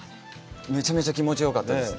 めちゃめちゃ気持ちよかったです。